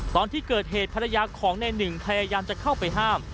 ตอนที่เกิดเหตุภรรยาของในหนึ่งพยายามจะเข้าไปห้าม